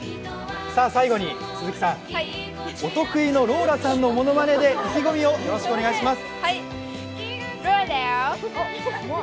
最後に鈴木さんお得意のローラさんのものまねで意気込みをお願いします。